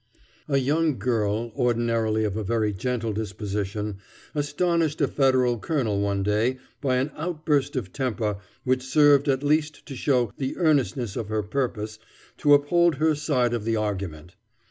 A young girl, ordinarily of a very gentle disposition, astonished a Federal colonel one day by an outburst of temper which served at least to show the earnestness of her purpose to uphold her side of the argument.